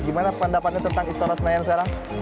gimana pendapatnya tentang istora senayan sekarang